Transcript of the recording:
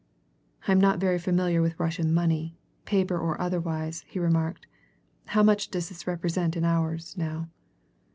"I'm not very familiar with Russian money paper or otherwise," he remarked. "How much does this represent in ours, now?"